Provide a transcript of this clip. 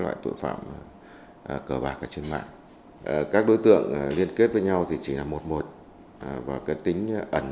loại tội phạm cờ bạc trên mạng các đối tượng liên kết với nhau thì chỉ là một một và cái tính ẩn